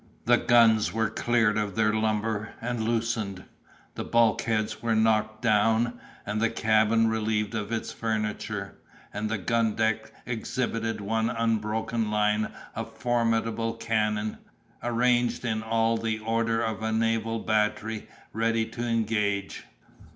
The guns were cleared of their lumber, and loosened. The bulk heads were knocked down, and the cabin relieved of its furniture; and the gun deck exhibited one unbroken line of formidable cannon, arranged in all the order of a naval battery ready to engage.